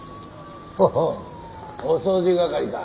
ほほうお掃除係か。